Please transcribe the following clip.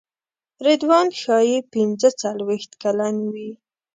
رضوان ښایي پنځه څلوېښت کلن وي.